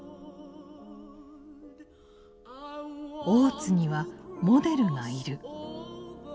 大津にはモデルがいる。